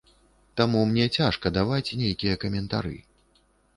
Таму мне цяжка даваць нейкія каментары.